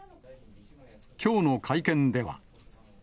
きょうの会見では。